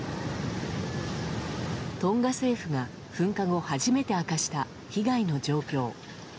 トンガ政府が噴火後初めて明かした被害の状況。